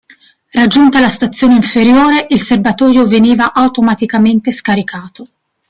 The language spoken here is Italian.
Raggiunta la stazione inferiore il serbatoio veniva automaticamente scaricato.